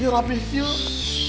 yuk abis yuk